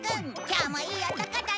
今日もいい男だね！